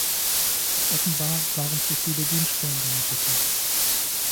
Offenbar waren zuviele Dienststellen damit befasst.